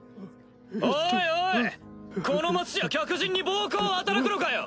おいおいこの町じゃ客人に暴行を働くのかよ！